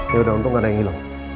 yaudah untung gak ada yang ilang